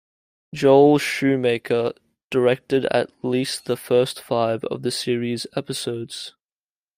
Joel Schumaker directed at least the first five of the series' episodes.